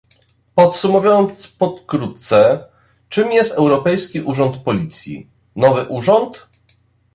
Podsumowując pokrótce, czym jest Europejski Urząd Policji, nowy Urząd?